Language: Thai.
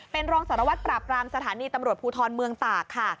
เป็นรองสารวัตรปราบรามสถานีตำรวจภูทรเมืองตากค่ะ